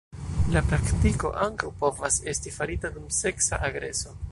La praktiko ankaŭ povas esti farita dum seksa agreso.